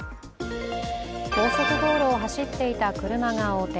高速道路を走っていた車が横転。